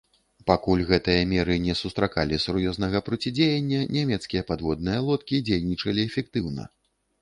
Пакуль гэтыя меры не сустракалі сур'ёзнага процідзеяння, нямецкія падводныя лодкі дзейнічалі эфектыўна.